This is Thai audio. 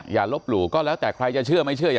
อย่าลบหลู่ก็แล้วแต่ใครจะเชื่อไม่เชื่ออย่า